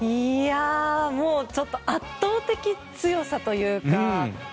もう、ちょっと圧倒的強さというか。